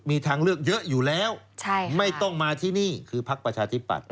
มีทางเลือกเยอะอยู่แล้วไม่ต้องมาที่นี่คือพักประชาธิปัตย